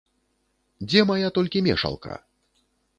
Дзе мая толькі мешалка?